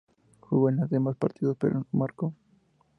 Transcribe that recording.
Jugó en los demás partidos, pero no marcó.